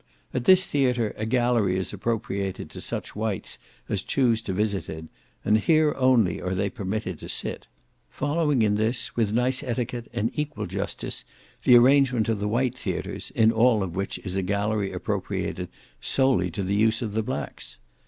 At this theatre a gallery is appropriated to such whites as choose to visit it; and here only are they permitted to sit; following in this, with nice etiquette, and equal justice, the arrangement of the white theatres, in all of which is a gallery appropriated solely to the use of the blacks.